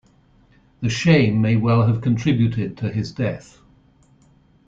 The shame may well have contributed to his death.